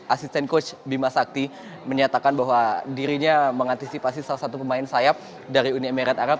asisten coach bima sakti menyatakan bahwa dirinya mengantisipasi salah satu pemain sayap dari uni emirat arab